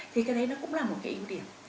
thì cái đấy nó cũng là một cái ưu điểm